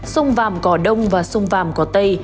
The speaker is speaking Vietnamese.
sông vàm cỏ đông và sông vàm cỏ tây